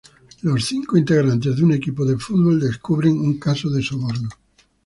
Los cinco integrantes de un equipo de fútbol descubren un caso de soborno.